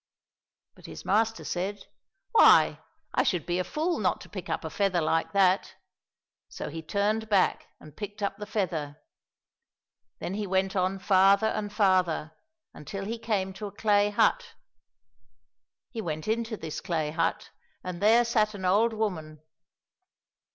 — But his master said, " Why, I should be a fool not to pick up a feather like that !" So he turned back and picked up the feather. Then he went on farther and farther, until he came to a clay hut. He went into this clay hut, and there sat an old woman.